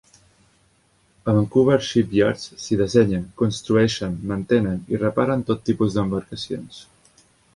A Vancouver Shipyards s'hi dissenyen, construeixen, mantenen i reparen tot tipus d'embarcacions.